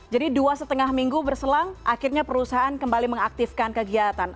jadi dua setengah minggu berselang akhirnya perusahaan kembali mengaktifkan kegiatan